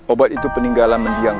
obat itu peninggalan mendianggung